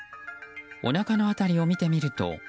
おなかの辺りを見てみると。